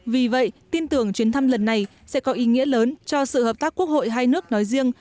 vì vậy tin tưởng chuyến thăm lần này sẽ có ý nghĩa lớn cho sự hợp tác quốc hội hai nước nói riêng